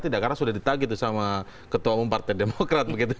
tidak karena sudah ditakjubi sama ketua umum partai demokrat